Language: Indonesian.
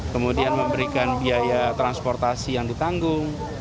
kemudian memberikan biaya transportasi yang ditanggung